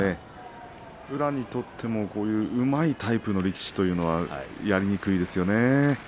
宇良にとってもこういううまいタイプの力士というのは、やりにくいですよね。